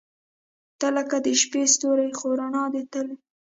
• ته لکه د شپې ستوری، خو رڼا دې تل وي.